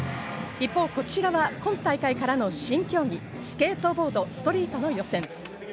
一方、こちらは今大会からの新競技、スケートボード・ストリートの予選。